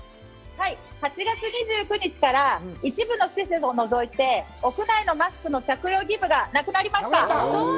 ８月２９日から一部の施設を除いて、屋内のマスクの着用義務がなくなりました。